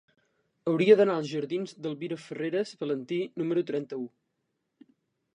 Hauria d'anar a la jardins d'Elvira Farreras Valentí número trenta-u.